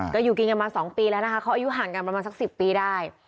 ก็อยู่กินกันมา๒ปีแล้วนะคะเขาอายุห่างกันประมาณสัก๑๐ปีได้